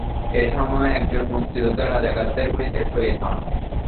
এ সময় একজন মুক্তিযোদ্ধা রাজাকারদের গুলিতে শহীদ হন।